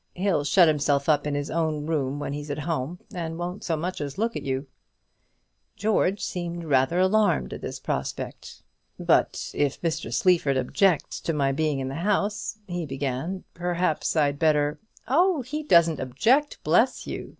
He'll shut himself up in his own room when he's at home, and won't so much as look at you." George seemed to be rather alarmed at this prospect. "But if Mr. Sleaford objects to my being in the house," he began, "perhaps I'd better " "Oh, he doesn't object, bless you!"